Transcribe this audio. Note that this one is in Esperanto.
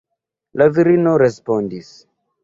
La virino respondis: